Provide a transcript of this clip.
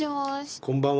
こんばんは。